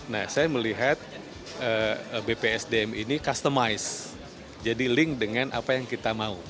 nah saya melihat bpsdm ini customize jadi link dengan apa yang kita mau